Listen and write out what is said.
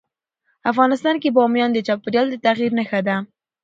افغانستان کې بامیان د چاپېریال د تغیر نښه ده.